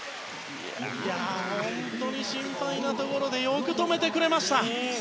本当に心配なところでよく止めてくれました。